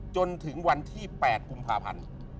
จนถึงวันที่๘กุมภาพันธ์